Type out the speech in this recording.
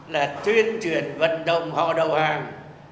là tuyên truyền vận động họ đầu hàng